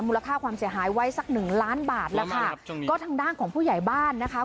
ค่าความเสียหายไว้สักหนึ่งล้านบาทแล้วค่ะก็ทางด้านของผู้ใหญ่บ้านนะคะ